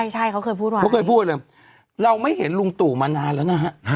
ใช่เขาเคยพูดว่าเราไม่เห็นลุงตั๋วมานานแล้วนะฮะ